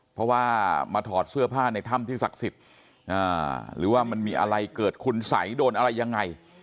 เพราะว่ามาถอดเสื้อผ้าในถ้ำที่ศักดิ์สิทธิ์หรือว่ามันมีอะไรเกิดคุณสัยโดนอะไรยังไง